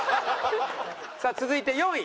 さあ続いて４位！